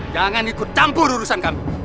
jangan ikut tampu durusan kami